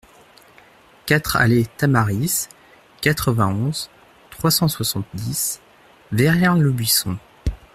quatre allée Tamaris, quatre-vingt-onze, trois cent soixante-dix, Verrières-le-Buisson